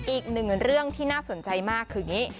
อีกหนึ่งเรื่องที่น่าสนใจมากตอนนี้